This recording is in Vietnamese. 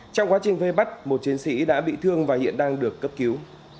trong quá trình vây bắt một chiến sĩ đã bị thương và hiện đang được cấp cứu